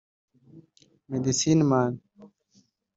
Medecine Man